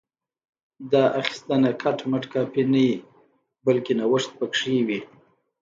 دا اخیستنه کټ مټ کاپي نه وي بلکې نوښت پکې وي